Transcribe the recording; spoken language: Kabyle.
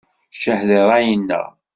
Ccah di ṛṛay-nneɣ!